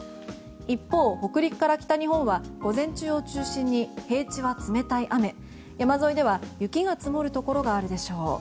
一方、北陸から北日本は午前中を中心に平地は冷たい雨山沿いでは雪が積もるところがあるでしょう。